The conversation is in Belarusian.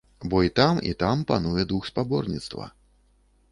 Бо і там, і там пануе дух спаборніцтва.